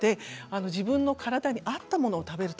自分の体に合ったものを食べる。